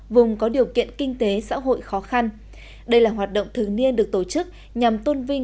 vùng có điều kiện kinh tế xã hội khó khăn đây là hoạt động thường niên được tổ chức nhằm tôn vinh